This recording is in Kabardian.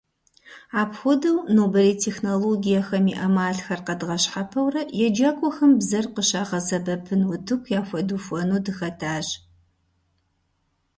Апхуэдэу, нобэрей технологиехэм и Ӏэмалхэр къэдгъэщхьэпэурэ еджакӀуэхэм бзэр къыщагъэсэбэпын утыку яхуэдухуэну дыхэтащ.